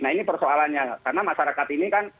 nah ini persoalannya karena masyarakat ini kan